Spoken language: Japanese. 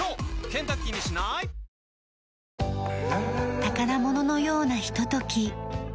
宝物のようなひととき。